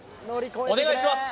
お願いします